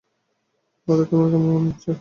পড়ে তোমার কেমন লেগেছে?